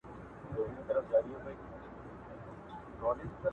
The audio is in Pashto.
کندهار ته ورسېدم